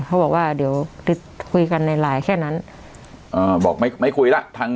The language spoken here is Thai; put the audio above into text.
เขาบอกว่าเดี๋ยวคุยกันในไลน์แค่นั้นอ่าบอกไม่ไม่คุยแล้วทาง